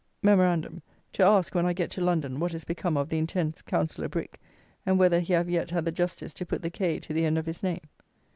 MEM. To ask, when I get to London, what is become of the intense "Counsellor Bric;" and whether he have yet had the justice to put the K to the end of his name.